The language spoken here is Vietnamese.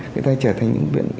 người ta trở thành những biện